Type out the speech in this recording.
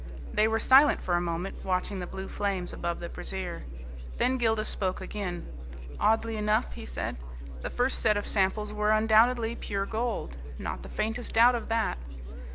They were silent for a moment, watching the blue flames above the brazier. Then Gildas spoke again. "Oddly enough," he said, "the first set of samples were undoubtedly pure gold not the faintest doubt of that.